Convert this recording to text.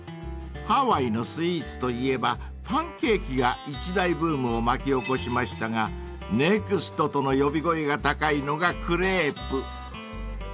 ［ハワイのスイーツといえばパンケーキが一大ブームを巻き起こしましたがネクストとの呼び声が高いのがクレープ］